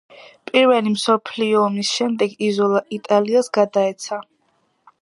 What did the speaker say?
პირველი მსოფლიო ომის შემდეგ იზოლა იტალიას გადაეცა.